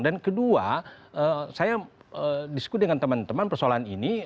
dan kedua saya diskusi dengan teman teman persoalan ini